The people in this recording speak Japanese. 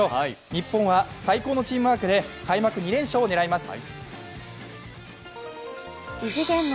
日本は最高のチームワークで開幕２連勝を狙います。